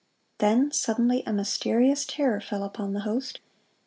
(153) Then suddenly a mysterious terror fell upon the host.